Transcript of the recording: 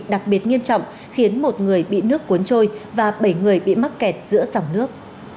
đặc biệt nghiêm trọng khiến một người bị nước cuốn trôi và bảy người bị mắc kẹt giữa dòng nước